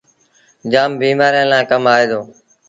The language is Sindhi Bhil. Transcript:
جآم بيمآريآن لآ ڪم آئي دو۔